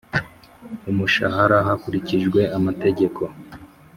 umushahara hakurikijwe amategeko